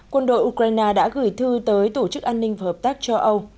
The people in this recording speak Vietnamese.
quân đội ukraine đã gửi thư tới tổ chức an ninh và hợp tác châu âu